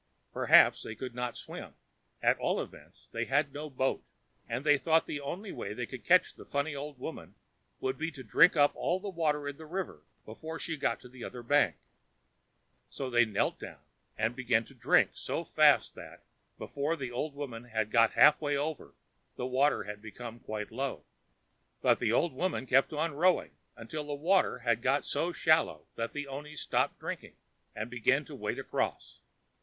Perhaps they could not swim; at all events, they had no boat, and they thought the only way they could catch the funny old woman would be to drink up all the water of the river before she got to the other bank. So they knelt down, and began to drink so fast that, before the old woman had got half way over, the water had become quite low. But the old woman kept on rowing until the water had got so shallow that the oni stopped drinking, and began to wade across.